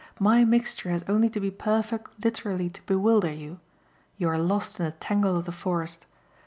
My mixture has only to be perfect literally to bewilder you you are lost in the tangle of the forest.